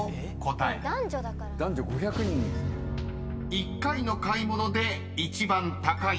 ［１回の買い物で一番高いもの］え！